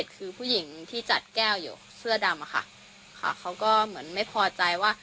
คือผู้หญิงที่จัดแก้วอยู่เสื้อดำอะค่ะเขาก็เหมือนไม่พอใจว่า